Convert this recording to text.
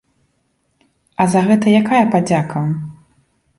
А за гэта якая падзяка?